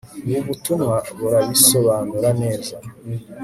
Ubu butumwa burabisobanura neza